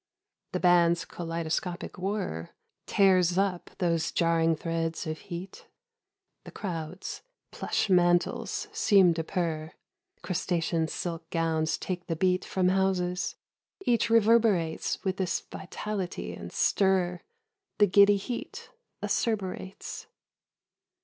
The band's kaleidescopic whirr Tears up those jarring threads of heat The crowds : plush mantles seem to purr Crustacean silk gowns take the beat From houses ; each reverberates With this vitality and stir The giddy heat acerberates.